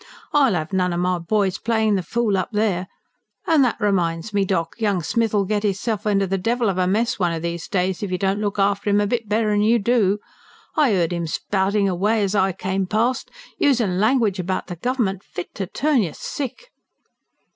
"I'll 'ave none o' my boys playin' the fool up there. And that reminds me, doc, young Smith'll git 'imself inter the devil of a mess one o' these days, if you don't look after 'im a bit better'n you do. I 'eard 'im spoutin' away as I come past usin' language about the Gover'ment fit to turn you sick."